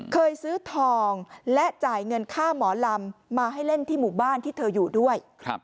เคยซื้อทองและจ่ายเงินค่าหมอลำมาให้เล่นที่หมู่บ้านที่เธออยู่ด้วย